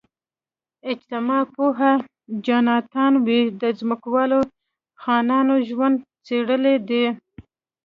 اجتماع پوه جاناتان وی د ځمکوالو خانانو ژوند څېړلی دی.